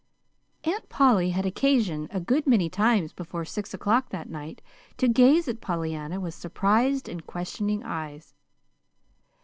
Aunt Polly had occasion a good many times before six o'clock that night to gaze at Pollyanna with surprised and questioning eyes.